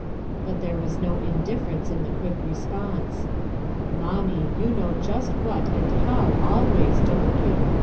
But there was no indifference in the quick response. "Mommie, you know just what, and how, always, don't you